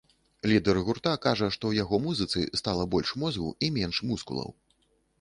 Лідэр гурта кажа, што ў яго музыцы стала больш мозгу і менш мускулаў.